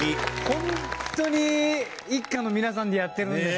ホントに一家の皆さんでやってるんですね